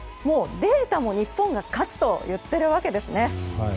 データも日本が勝つといっているわけですね。